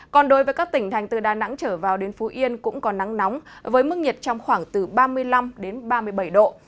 còn đối với các tỉnh thành từ đà nẵng trở vào đến phú yên cũng có nắng nóng với mức nhiệt trong khoảng từ ba mươi năm đến ba mươi bảy độ